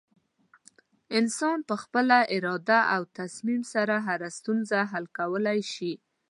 انسان په خپله اراده او تصمیم سره هره ستونزه حل کولی شي.